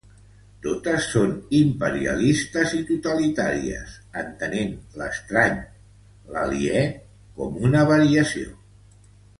Totes són imperialistes i totalitàries, entenent l'estrany, l'aliè, com una variació.